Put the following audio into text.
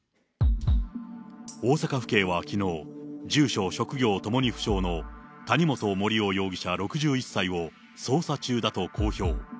大阪府警はきのう、住所、職業ともに不詳の谷本盛雄容疑者６１歳を、捜査中だと公表。